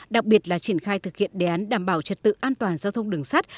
đặc biệt là triển khai thực hiện đề án đảm bảo trật tự an toàn giao thông đường sắt